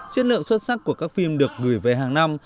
chất lượng xuất sắc của các phim được gửi về hàng năm